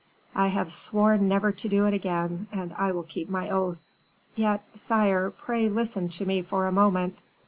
I have sworn never to do it again, and I will keep my oath." "Yet, sire, pray listen to me for a moment."